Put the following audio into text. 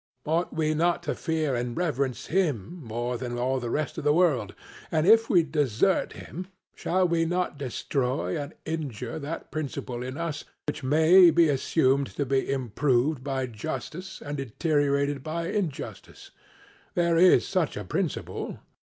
ought we not to fear and reverence him more than all the rest of the world: and if we desert him shall we not destroy and injure that principle in us which may be assumed to be improved by justice and deteriorated by injustice; there is such a principle?